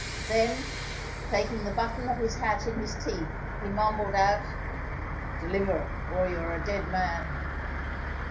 Then, taking the button of his hat in his teeth, he mumbled out, _Deliver or you're a dead man.